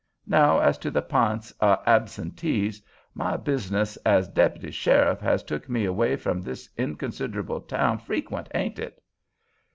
Now as to the p'ints o' absentees, my business as dep'ty sheriff has took me away from this inconsider'ble town freckwent, hain't it?"